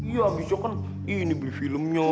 ya abis itu kan ini beli filmnya